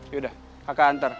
yaudah kakak hantar